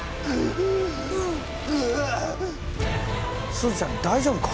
すずちゃん大丈夫か？